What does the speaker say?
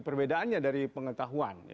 perbedaannya dari pengetahuan